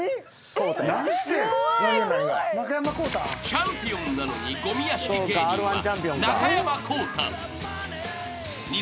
［チャンピオンなのにごみ屋敷芸人は］